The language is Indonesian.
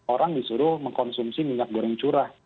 orang disuruh mengkonsumsi minyak goreng curah